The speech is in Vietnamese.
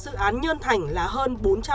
dự án nhân thành là hơn bốn trăm năm mươi ba